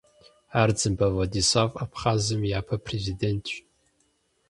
Ардзынбэ Владислав Абхъазым и япэ Президентщ.